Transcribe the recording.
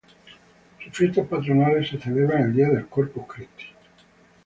Sus fiestas patronales se celebran el día del Corpus Christi.